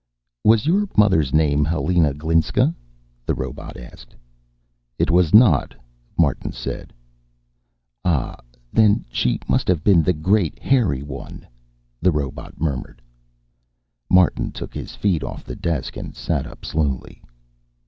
"Was your mother's name Helena Glinska?" the robot asked. "It was not," Martin said. "Ah, then she must have been the Great Hairy One," the robot murmured. Martin took his feet off the desk and sat up slowly.